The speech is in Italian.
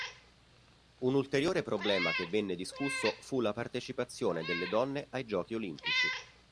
Un ulteriore problema che venne discusso fu la partecipazione delle donne ai Giochi Olimpici.